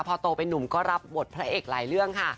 พอโตเป็นนุ่มก็รับบทพระเอกหลายเรื่องค่ะ